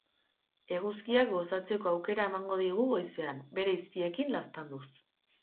Eguzkiak gozatzeko aukera emango digu goizean bere izpiekin laztanduz.